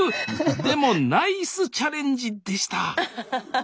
でもナイスチャレンジでした。